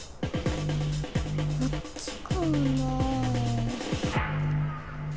こっちかもなあ。